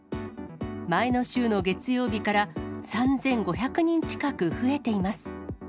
前の週の月曜日から３５００人近く増えています。